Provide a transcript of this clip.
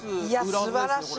すばらしい。